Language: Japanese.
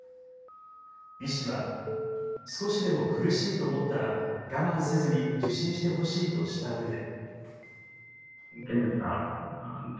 医師は少しでも苦しいと思ったら我慢せずに受診してほしいとしたうえで。